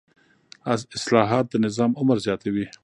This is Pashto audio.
اصلاحات د نظام عمر زیاتوي